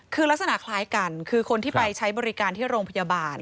คือลักษณะคล้ายกันคือคนที่ไปใช้บริการที่โรงพยาบาล